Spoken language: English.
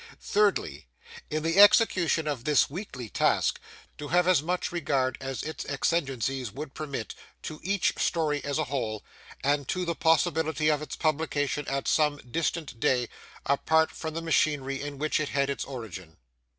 Thirdly. In the execution of this weekly task, to have as much regard as its exigencies would permit, to each story as a whole, and to the possibility of its publication at some distant day, apart from the machinery in which it had its origin.